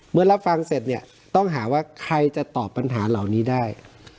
รับฟังเสร็จเนี่ยต้องหาว่าใครจะตอบปัญหาเหล่านี้ได้